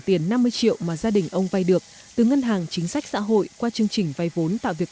tiền năm mươi triệu mà gia đình ông vay được từ ngân hàng chính sách xã hội qua chương trình vay vốn tạo việc